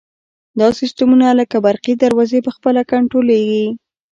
دا سیسټمونه لکه برقي دروازې په خپله کنټرولیږي.